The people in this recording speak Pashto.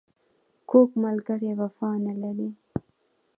کوږ ملګری وفا نه لري